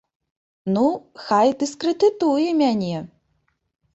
Ну, хай дыскрэдытуе мяне!